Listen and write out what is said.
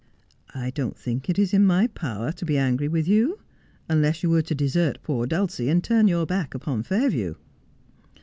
' I don't think it is in my power to be angry with you ; unless you were to desert poor Dulcie and turn your back upon Fairview.'